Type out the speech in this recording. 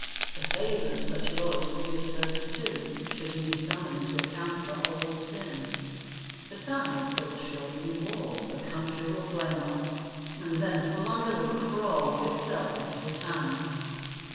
The favor of such lords would be of service, too, should he be summoned to account for old sins. Besides, there will surely be war, the country will flame up, and then plunder will crawl of itself into his hands.